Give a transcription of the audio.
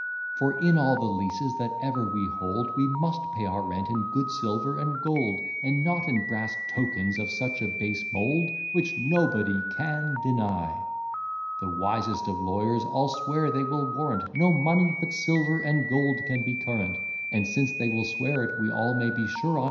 For, in all the leases that ever we hold, We must pay our rent in good silver and gold, And not in brass tokens of such a base mould. Which, &c. The wisest of lawyers all swear, they will warrant No money but silver and gold can be current; And, since they will swear it, we all may be sure on't.